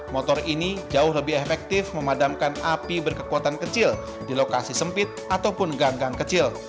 motor ini jauh lebih efektif memadamkan api berkekuatan kecil di lokasi sempit ataupun ganggang kecil